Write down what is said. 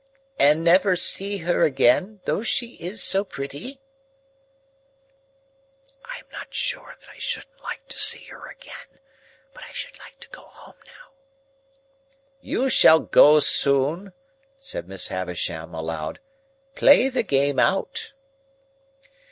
"And never see her again, though she is so pretty?" "I am not sure that I shouldn't like to see her again, but I should like to go home now." "You shall go soon," said Miss Havisham, aloud. "Play the game out."